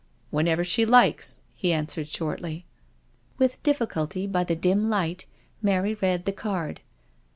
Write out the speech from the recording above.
" Whenever she likes," he answered shortly. With difficulty, by the dim light, Mary read the card.